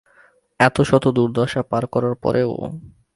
এতশত দুর্দশা পার করার পরেও।